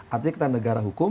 artinya kita negara hukum